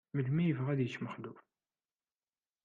Melmi i yebɣa ad yečč Mexluf?